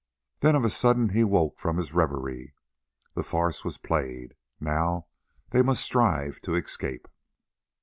Then of a sudden he woke from his reverie—the farce was played, now they must strive to escape.